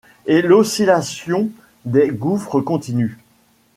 et l’oscillation des gouffres continue.